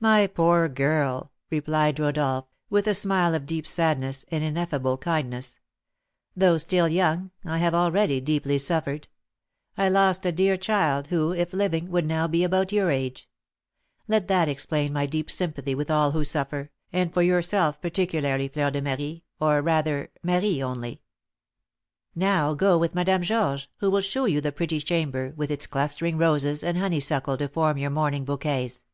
"My poor girl," replied Rodolph, with a smile of deep sadness and ineffable kindness, "though still young, I have already deeply suffered. I lost a dear child, who, if living, would now be about your age. Let that explain my deep sympathy with all who suffer, and for yourself particularly, Fleur de Marie, or, rather, Marie only. Now, go with Madame Georges, who will shew you the pretty chamber, with its clustering roses and honeysuckle to form your morning bouquets.